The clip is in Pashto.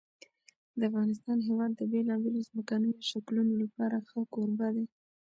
د افغانستان هېواد د بېلابېلو ځمکنیو شکلونو لپاره ښه کوربه دی.